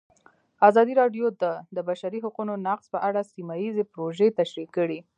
ازادي راډیو د د بشري حقونو نقض په اړه سیمه ییزې پروژې تشریح کړې.